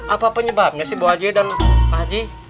apa penyebabnya sih bu haji dan pak haji